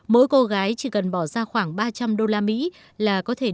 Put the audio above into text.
mỗi cô gái chỉ cần bỏ ra khoảng ba trăm linh đô la mỹ là có thể đưa ra một chiếc máy